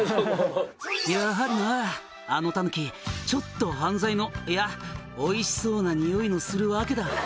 「やはりなあのたぬきちょっと犯罪のいやおいしそうな匂いのするわけだ」